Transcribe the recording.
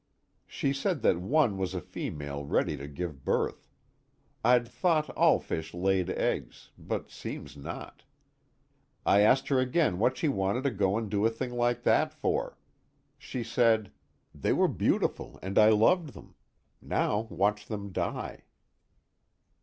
She said that one was a female ready to give birth. I'd thought all fish laid eggs, but seems not. I asked her again what she wanted to go and do a thing like that for. She said: 'They were beautiful and I loved them. Now watch them die.'"